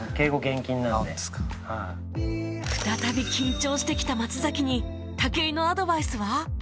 再び緊張してきた松崎に武井のアドバイスは？